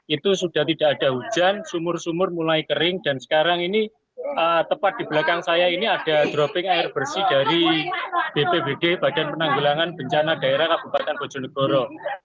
itu sudah tidak ada hujan sumur sumur mulai kering dan sekarang ini tepat di belakang saya ini ada dropping air bersih dari bpbd badan penanggulangan bencana daerah kabupaten bojonegoro